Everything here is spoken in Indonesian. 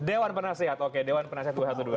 dewan penasehat oke dewan penasihat dua ratus dua belas